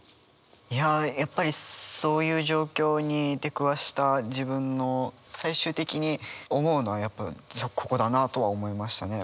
いややっぱりそういう状況に出くわした自分の最終的に思うのはやっぱここだなとは思いましたね。